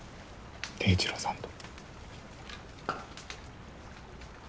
貞一郎さんと。